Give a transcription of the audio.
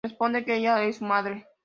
Él responde que ella es su madre.